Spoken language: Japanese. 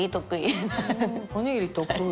おにぎり得意。